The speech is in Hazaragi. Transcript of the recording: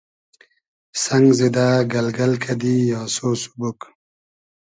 سئنگ زیدۂ گئلگئل کئدی آسۉ سوبوگ